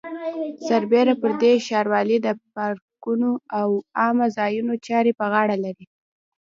سربېره پر دې ښاروالۍ د پارکونو او عامه ځایونو چارې په غاړه لري.